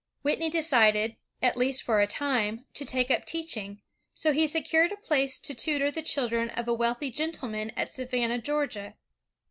Whitney decided, at least for a time, to take up teaching, so he secured a place to tutor the children of a wealthy gentleman at Savannah, Georgia.